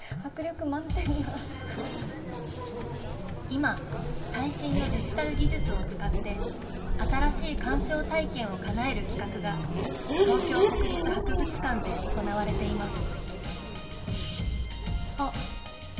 今、最新のデジタル技術を使って新しい鑑賞体験をかなえる企画が東京国立博物館で行われています